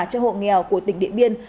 cho hộ nghèo của tỉnh điện biên